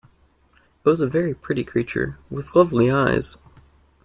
It was a very pretty creature, with lovely eyes.